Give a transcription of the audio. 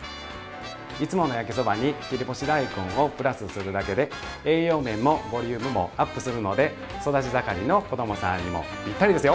いつもの焼きそばに切り干し大根をプラスするだけで栄養面もボリュームもアップするので育ち盛りの子どもさんにもぴったりですよ！